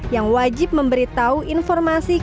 yang wajib memberitahu informasi